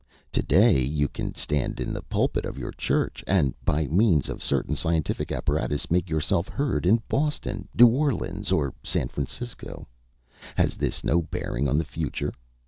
To day you can stand in the pulpit of your church, and by means of certain scientific apparatus make yourself heard in Boston, New Orleans, or San Francisco. Has this no bearing on the future?